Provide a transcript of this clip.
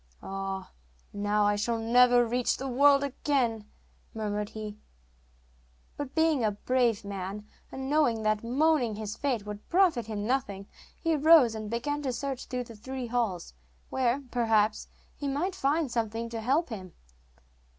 'Ah, now I shall never reach the world again,' murmured he; but being a brave man, and knowing that moaning his fate would profit him nothing, he rose and began to search through the three halls, where, perhaps, he might find something to help him.